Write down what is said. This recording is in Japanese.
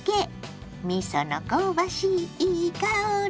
みその香ばしいいい香り！